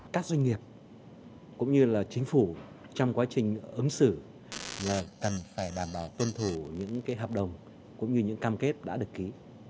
các doanh nghiệp cũng như là chính phủ trong quá trình ứng xử là cần phải đảm bảo tuân thủ những hợp đồng cũng như những cam kết đã được ký